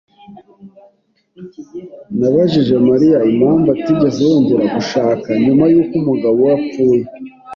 Nabajije Mariya impamvu atigeze yongera gushaka nyuma yuko umugabo we apfuye.